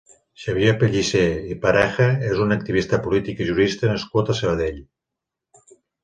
Xavier Pellicer i Pareja és un activista polític i jurista nascut a Sabadell.